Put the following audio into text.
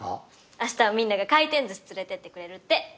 明日はみんなが回転ずし連れてってくれるって！